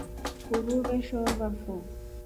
Uruu veshohovafo.